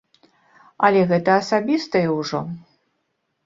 Але гэта асабістае ўжо.